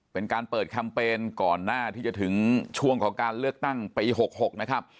เป็นการเปิดแคมเปญก่อนหน้าที่จะถึงช่วงของการเลือกตั้งปี๖๖นะครับ